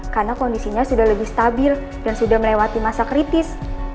karena kondisinya sudah lebih stabil dan sudah melewati masa kritis